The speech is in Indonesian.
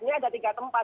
di sini ada tiga tempat